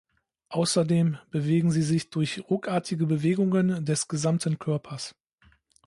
Außerdem bewegen sie sich durch ruckartige Bewegungen des gesamten Körpers.